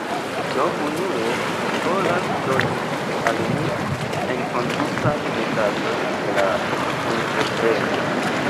Do, unue li volas doni al mi... enkondukan mesaĝon de la entrepreno.